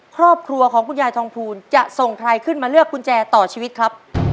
ครอบครัวของคุณยายทองภูลจะส่งใครขึ้นมาเลือกกุญแจต่อชีวิตครับ